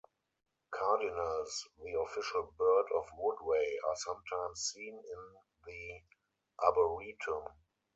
Cardinals, the official bird of Woodway, are sometimes seen in the arboretum.